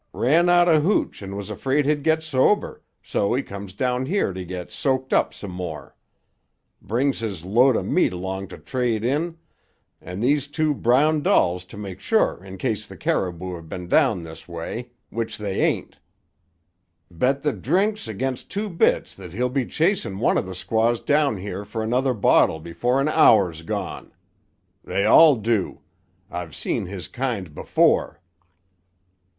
Ran out o' hooch and was afraid he'd get sober, so he comes down here to get soaked up some more. Brings his load o' meat 'long to trade in, an' these two brown dolls to make sure in case the caribou have been down this way, which they ain't. Bet the drinks against two bits that he'll be chasin' one o' the squaws down here for another bottle before an hour's gone. They all do. I've seen his kind before."